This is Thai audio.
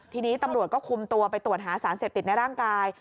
ทีนี้ตำรวจก็คุมตัวไปตรวจหาสารเสพติดในร่างกาย